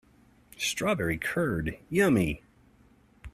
Strawberry curd, yummy!